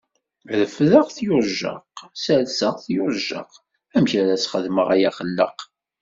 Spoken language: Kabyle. Refdeɣ-t yujjaq, serseɣ-t yujjaq, amek ara sxedmeɣ ay axellaq!